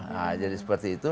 nah jadi seperti itu